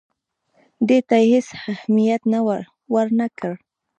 دې ته یې هېڅ اهمیت ورنه کړ.